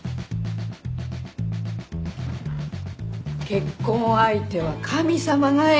結婚相手は神様が選ぶの。